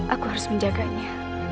aku harus menjaganya